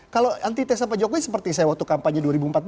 kalau antitesa pak jokowi seperti saya waktu kampanye dua ribu empat belas